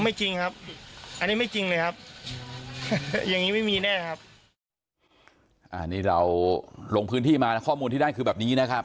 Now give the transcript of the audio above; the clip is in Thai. ไม่จริงครับอันนี้ไม่จริงเลยครับอย่างนี้ไม่มีแน่ครับ